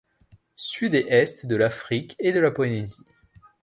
Sud et est de l’Afrique et de la Polynésie.